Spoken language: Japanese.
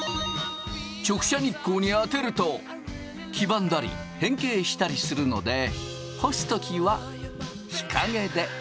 直射日光に当てると黄ばんだり変形したりするので干す時は日陰で。